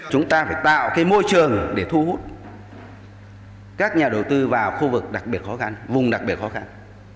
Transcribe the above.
chúng ta phải tạo cái môi trường để thu hút các nhà đầu tư vào khu vực đặc biệt khó khăn